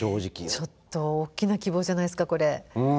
ちょっと大きな希望じゃないですかこれ。